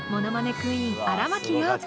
クイーン荒牧陽子